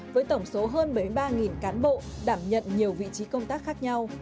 với tổng số hơn bảy mươi ba cán bộ đảm nhận nhiều vị trí công tác khác nhau